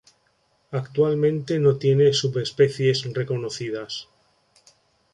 Actualmente no tiene subespecies reconocidas.